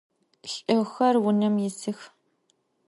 Lh'ıxer vunem yisıx.